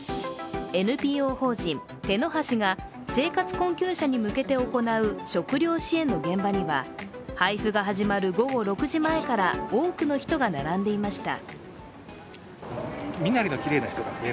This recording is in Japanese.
ＮＰＯ法人ＴＥＮＯＨＡＳＩが生活困窮者に向けて行う食糧支援の現場には配布が始まる午後６時前から多くの人が並んでいました。